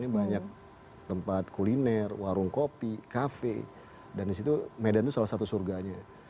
banyak tempat kuliner warung kopi kafe dan disitu medan itu salah satu surganya